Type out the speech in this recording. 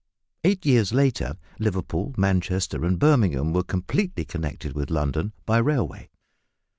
Eight years later, Liverpool, Manchester, and Birmingham were completely connected with London by railway.